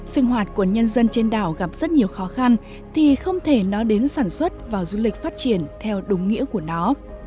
sinh hoạt của nhân dân trên đảo gặp rất nhiều khó khăn thì không thể nói đến sản xuất và du lịch phát triển theo đúng nghĩa của nó